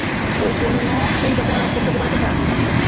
এই, কোন চকোবার আছে, - আছে স্যার।